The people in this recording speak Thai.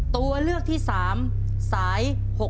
ตัวเลือกที่๓สาย๖๖